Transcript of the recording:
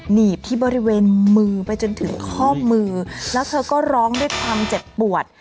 หนีบที่บริเวณมือไปจนถึงข้อมือแล้วเธอก็ร้องด้วยความเจ็บปวด